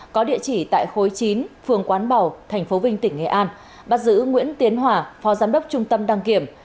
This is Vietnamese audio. có địa chỉ tại khối chín phường quán bầu tp vnh bắt giữ nguyễn tiến hòa phó giám đốc trung tâm đăng kiểm